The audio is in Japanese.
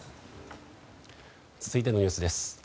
続いてのニュースです。